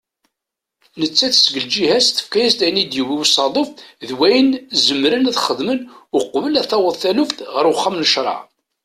Nettat seg lǧiha-as tefka-yas-d ayen i d-yewwi usaḍuf d wayen zemren ad xedmen uqbel ad taweḍ taluft ɣer uxxam n ccraɛ.